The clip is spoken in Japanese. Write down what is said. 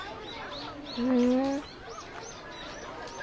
ふん。